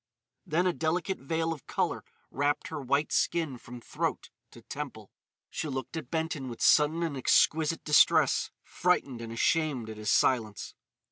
Then a delicate veil of colour wrapped her white skin from throat to temple; she looked at Benton with sudden and exquisite distress, frightened and ashamed at his silence.